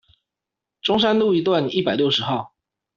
中山路一段一百六十號